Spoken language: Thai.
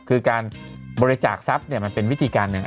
คือการบริจาคทรัพย์มันเป็นวิธีการหนึ่ง